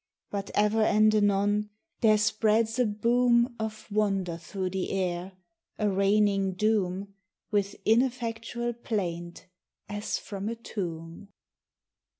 But ever and anon there spreads a boom Of wonder through the air, arraigning doom With ineffectual plaint as from a tomb.